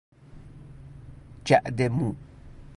جعد مو